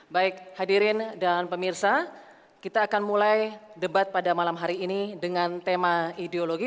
baik hadirin dan pemirsa kita akan mulai debat pada malam hari ini dengan tema ideologi